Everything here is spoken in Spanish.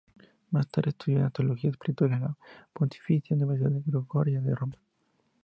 Más tarde, estudió Teología Espiritual en la Pontificia Universidad Gregoriana de Roma.